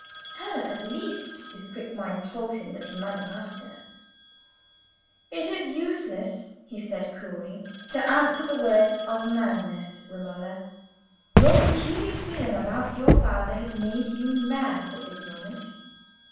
Her, at least, his quick mind told him that he might master. "It is useless," he said, coolly, "to answer the words of madness, Romola. Your peculiar feeling about your father has made you mad at this moment.